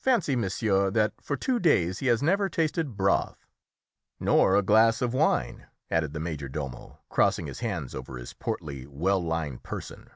Fancy, monsieur, that for two days he has never tasted broth!" "Nor a glass of wine," added the major domo, crossing his hands over his portly, well lined person.